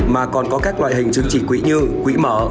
mà còn có các loại hình chứng chỉ quỹ như quỹ mở